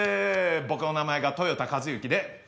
僕の名前が豊田一幸で。